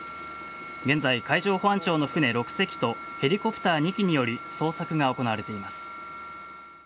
現在、海上保安庁の船６隻とヘリコプター２機により捜索が行われています。